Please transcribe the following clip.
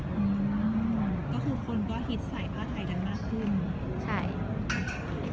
ก็คือคนก็ฮิตใส่ผ้าไทยกันมากขึ้นใช่